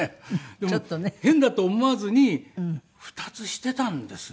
でも変だと思わずに２つしていたんですね。